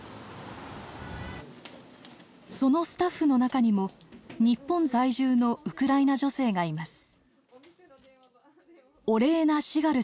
そのスタッフの中にも日本在住のウクライナ女性がいます。